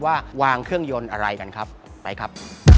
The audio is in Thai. ว่าวางเครื่องยนต์อะไรกันครับไปครับ